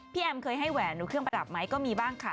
แอมเคยให้แหวนหนูเครื่องประดับไหมก็มีบ้างค่ะ